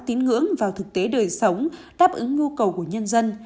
tín ngưỡng vào thực tế đời sống đáp ứng nhu cầu của nhân dân